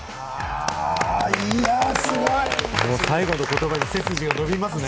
最後の言葉に背筋が伸びますね。